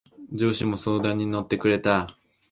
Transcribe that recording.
上司も相談に乗ってくれた。